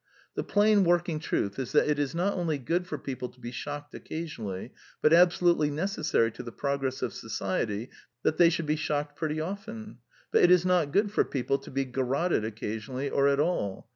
The plain working truth is that it is not only good for people to be shocked occasionally, but ^absolutely necessary to the progress of society that they should be shocked pretty often. But it is not good for people to be garotted occasionally, or at all.